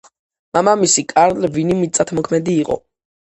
მამამისი, კარლ ვინი მიწათმოქმედი იყო.